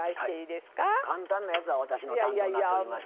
簡単なやつは私の担当になっておりまして。